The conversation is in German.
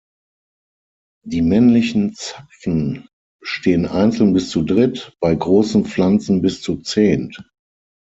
Die männlichen Zapfen stehen einzeln bis zu dritt, bei großen Pflanzen bis zu zehnt.